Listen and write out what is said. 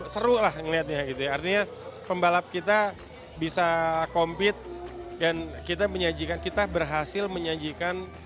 seru lah melihatnya artinya pembalap kita bisa kompit dan kita berhasil menyajikan